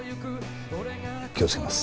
気をつけます。